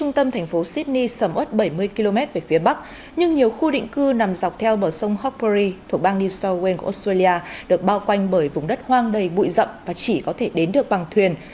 trung tâm thành phố sydney sầm ớt bảy mươi km về phía bắc nhưng nhiều khu định cư nằm dọc theo bờ sông hackery thuộc bang new south wales của australia được bao quanh bởi vùng đất hoang đầy bụi rậm và chỉ có thể đến được bằng thuyền